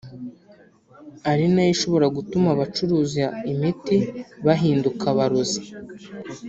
ari na yo ishobora gutuma abacuruza imiti bahinduka abarozi